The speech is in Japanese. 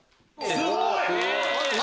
すごい！